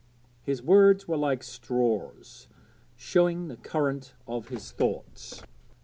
His words were like straws, showing the current of his thoughts.